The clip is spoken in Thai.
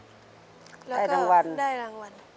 ได้รางวัลนะครับได้รางวัลแล้วก็ได้รางวัล